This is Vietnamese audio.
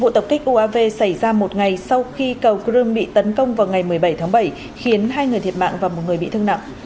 vụ tập kích uav xảy ra một ngày sau khi cầu crimea bị tấn công vào ngày một mươi bảy tháng bảy khiến hai người thiệt mạng và một người bị thương nặng